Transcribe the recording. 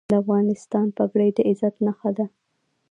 د افغانستان پګړۍ د عزت نښه ده